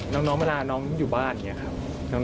น้องเวลาน้องอยู่บ้านอย่างนี้ครับ